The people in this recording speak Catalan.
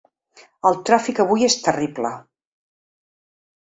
El tràfic avui és terrible.